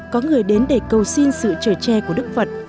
có người đến để cầu xin sự trở tre của đức phật